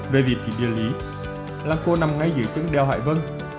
về việc chỉ địa lý lăng cô nằm ngay dưới chứng đèo hải vân